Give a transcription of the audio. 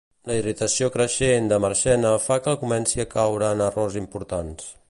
La irritació creixent de Marchena fa que comenci a caure en errors importants.